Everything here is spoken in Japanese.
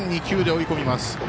２球で追い込みます。